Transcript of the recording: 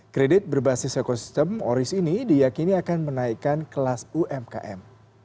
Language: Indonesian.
kredit berbasis ekosistem oris ini diyakini akan menaikkan kelas umkm